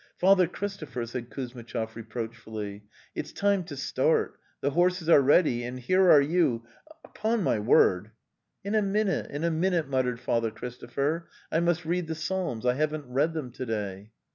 "Father Christopher," said Kuzmitchov re proachfully, '' it's time to start; the horses are ready, and here are you, ... upon my word." ''In a minute, in a minute," muttered Father Ghristopher: sl imust, read\ the) psalms!) 02) 298 haven't read them to day."